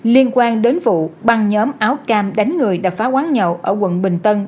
liên quan đến vụ băng nhóm áo cam đánh người đập phá quán nhậu ở quận bình tân